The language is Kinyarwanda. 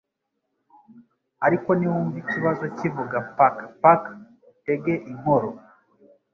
ariko niwumva ikiza kivugapaka-paka utege inkoro